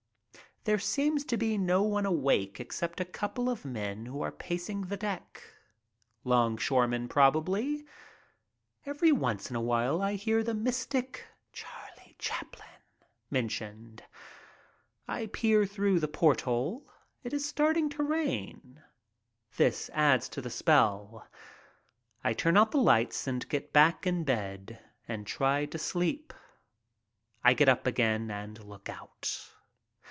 There seems to be no one awake except a couple of men who are pacing the deck. Longshoremen, probably. Every once in a while I hear the mystic "Charlie Chaplin" men tioned. I peer through the porthole. It is starting to rain. This adds to the spell. I turn out the lights and get back in bed and try to sleep. I get up again and look out.